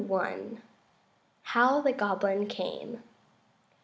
HOW THE GOBLIN CAME.